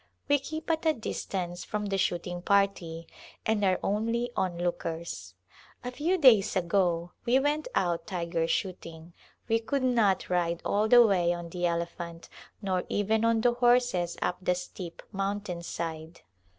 We keep at a distance from the shooting party and are only onlookers. A ^Qw days ago we went out tiger shooting. We could not ride all the way on the elephant, nor even on the horses up the steep mountainside.